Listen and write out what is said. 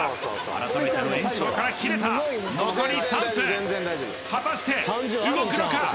改めての延長からきれた残り３分果たして動くのか？